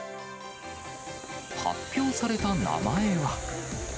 発表された名前は。